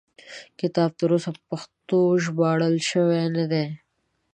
کتاب تر اوسه په پښتو ژباړل شوی نه دی.